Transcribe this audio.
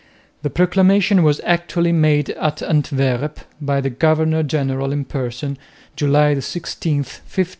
The proclamation was actually made at Antwerp by the governor general in person, July 16, 1570.